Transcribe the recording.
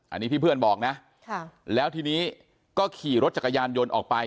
อันนี้ที่เพื่อนบอกนะแล้วทีนี้ก็ขี่รถจักรยานยนต์ออกไป